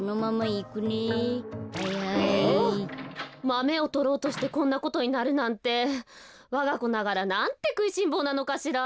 マメをとろうとしてこんなことになるなんてわがこながらなんてくいしんぼうなのかしら。